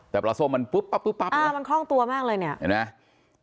แต่ปลาส้มมันปุ๊บปั๊บปุ๊บปั๊บมันคล่องตัวมากเลยเนี่ยเห็นไหม